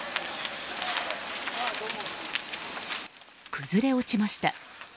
崩れ落ちました。